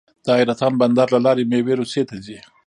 د حیرتان بندر له لارې میوې روسیې ته ځي.